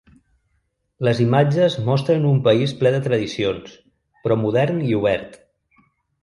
Les imatges mostren un país ple de tradicions, però modern i obert.